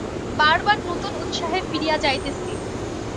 বার বার নূতন উৎসাহে ফিরিয়া যাইতেছি।